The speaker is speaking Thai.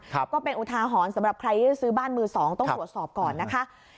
ก็เป็นอุทาหอนสำหรับใครซื้อบ้านมือ๒ต้องหัวสอบก่อนนะคะ